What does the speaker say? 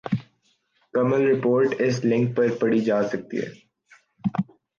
کمل report اس link پر پڑھی جا سکتی ہے ۔